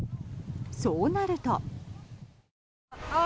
そうなると。